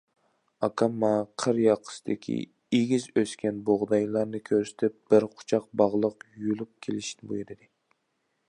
ئاكام ماڭا قىر ياقىسىدىكى ئېگىز ئۆسكەن بۇغدايلارنى كۆرسىتىپ، بىر قۇچاق باغلىق يۇلۇپ كېلىشنى بۇيرۇدى.